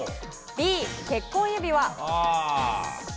Ｂ、結婚指輪。